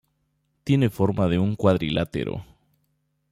Tiene forma de un cuadrilátero.